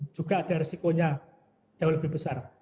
juga ada resikonya jauh lebih besar